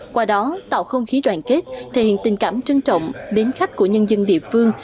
qua đó tạo không khí đoàn kết thể hiện tình cảm trân trọng đến khách của nhân dân địa phương